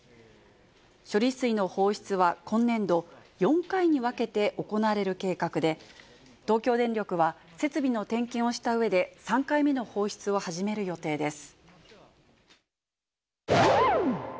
処理水の放出は今年度、４回に分けて行われる計画で、東京電力は、設備の点検をしたうえで、３回目の放出を始める予定です。